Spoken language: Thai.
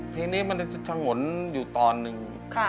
เพลงนี้มันจะฉงนอยู่ตอนหนึ่ง